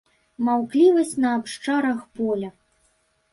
Маўклівасць на абшарах поля.